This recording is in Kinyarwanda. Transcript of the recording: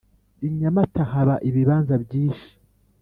Inyamata haba ibibanza byishi